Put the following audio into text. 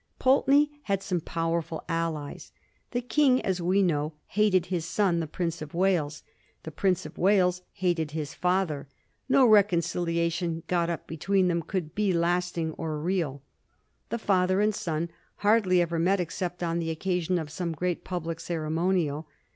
Pulteney had some powerful allies. The King, as we know, hated his son the Prince of Wales ; the Digiti zed by Google 336 A HISTORY OF THE FOUR GEORGES, ch. xtl Prince of Wales hated his father. No reconciliation got up between them could be lasting or real. The father and son hardly ever met except on the occasion of some great public ceremonial.